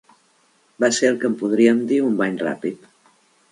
Va ser el que en podríem dir un bany ràpid